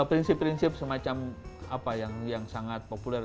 prinsip prinsip semacam apa yang sangat populer